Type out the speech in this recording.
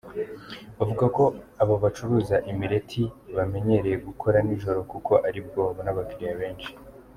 Bavuga ko aba bacuruza imireti bamenyereye gukora nijoro kuko ari bwo babona abakiriya benshi.